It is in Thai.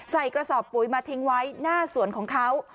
กระสอบปุ๋ยมาทิ้งไว้หน้าสวนของเขา